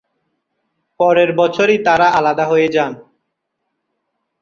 পরের বছরই তারা আলাদা হয়ে যান।